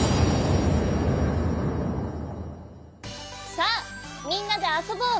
さあみんなであそぼう！